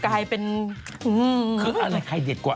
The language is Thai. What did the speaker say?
กลายเป็นอยากจะดังคืออะไรใครเด็ดกว่า